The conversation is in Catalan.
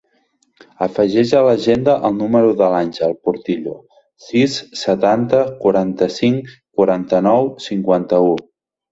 Afegeix a l'agenda el número de l'Àngel Portillo: sis, setanta, quaranta-cinc, quaranta-nou, cinquanta-u.